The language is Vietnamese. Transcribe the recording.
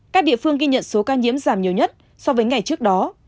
các địa phương ghi nhận số ca nhiễm giảm nhiều nhất so với ngày trước đó